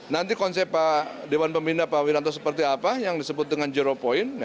nanti konsep pak dewan pembina pak wiranto seperti apa yang disebut dengan zero point